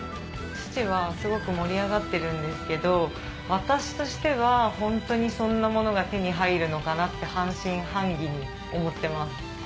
父はすごく盛り上がってるんですけど私としてはホントにそんなものが手に入るのかなって半信半疑に思ってます。